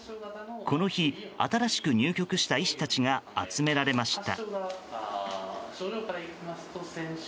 この日、新しく入局した医師たちが集められました。